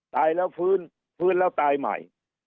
ตายแล้วฟื้นฟื้นแล้วตายใหม่